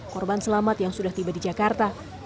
korban selamat yang sudah tiba di jakarta